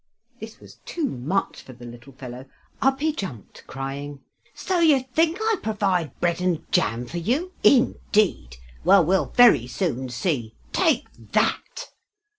This was too much for the little fellow. Up he jumped, crying: "So you think I provide bread and jam for you, indeed! Well, we'll very soon see! Take that!"